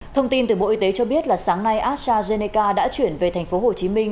thông tin từ bộ y tế cho biết là sáng nay astrazeneca đã chuyển về thành phố hồ chí minh